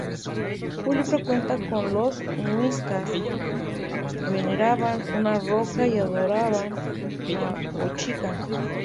Un libro cuenta cómo los Muiscas veneraban una roca y adoraban a Bochica.